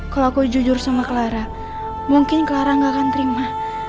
kalau aku jujur sama clara mungkin clara gak akan terima